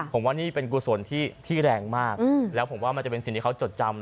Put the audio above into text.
ผมว่านี่เป็นกุศลที่แรงมากแล้วผมว่ามันจะเป็นสิ่งที่เขาจดจำ